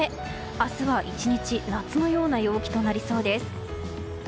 明日は１日夏のような陽気となりそうです。